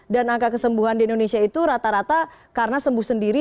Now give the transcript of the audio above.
dan angka kesembuhan di indonesia itu rata rata karena sembuh sendiri